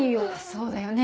そうだよね。